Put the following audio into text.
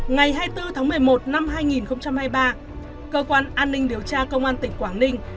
ngày hai mươi bốn tháng một mươi một năm hai nghìn hai mươi ba cơ quan an ninh điều tra công an tỉnh quảng ninh